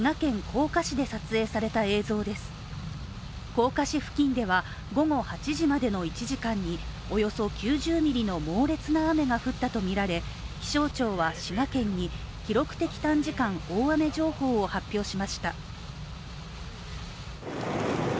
甲賀市付近では、午後８時までの１時間におよそ９０ミリの猛烈な雨が降ったとみられ気象庁は滋賀県に記録的短時間大雨情報を発表しました。